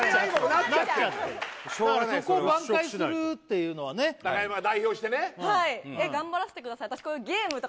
思われちゃうそこを挽回するっていうのはね高山が代表してねはい頑張らせてください